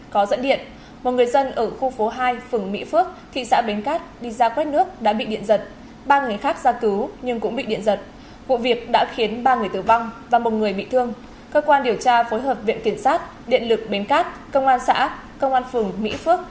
cơ quan điều tra phối hợp viện kiểm sát điện lực bến cát công an xã công an phường mỹ phước